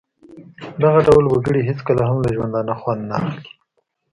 دغه ډول وګړي هېڅکله هم له ژوندانه خوند نه اخلي.